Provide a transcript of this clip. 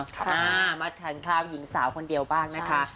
ค่ะมาถึงคราวหญิงสาวคนเดียวบ้างนะคะ